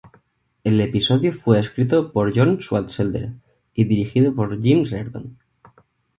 El episodio fue escrito por John Swartzwelder y dirigido por Jim Reardon.